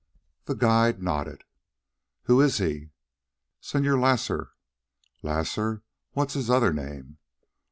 The guide nodded. "Who is he?" "Señor Lasar." "Lasar. What's his other name?"